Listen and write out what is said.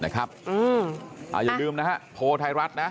อย่าลืมโพทายรัฐ